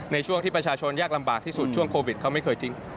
ในช่วงที่ประชาชนยากลำบากที่สุดช่วงโควิดเขาไม่เคยทิ้ง